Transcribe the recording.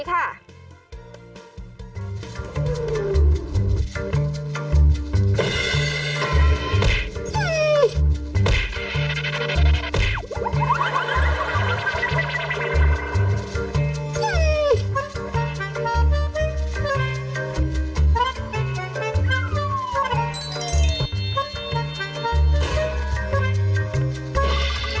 สวัสดีค่ะ